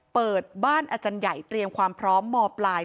เปิดบ้านอาจารย์ใหญ่เตรียมความพร้อมมปลาย